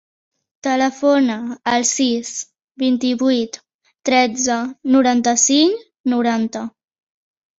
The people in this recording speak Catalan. Telefona al sis, vint-i-vuit, tretze, noranta-cinc, noranta.